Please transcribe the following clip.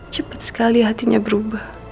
cepat sekali hatinya berubah